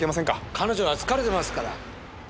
彼女は疲れてますから。